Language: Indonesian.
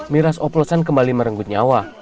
miras oplosan kembali merenggut nyawa